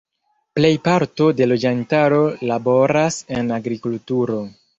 Plejparto de la loĝantaro laboras en agrikulturo.